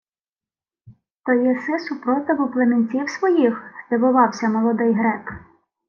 — То єси супротиву племінців своїх? — здивувався молодий грек.